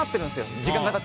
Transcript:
時間が経って。